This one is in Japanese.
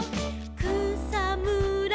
「くさむら